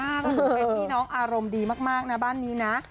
เป็นพี่น้องอารมณ์ดีมากนะบ้านนี้นะ